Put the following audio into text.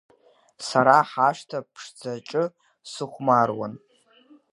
Сара ҳашҭа ԥшӡаҿы сыхәмаруан.